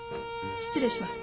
失礼します。